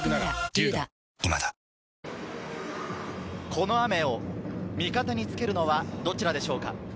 この雨を味方につけるのは、どちらでしょうか。